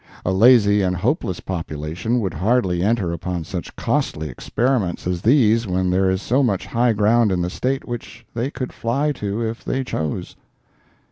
A lazy and hopeless population would hardly enter upon such costly experiments as these when there is so much high ground in the State which they could fly to if they chose.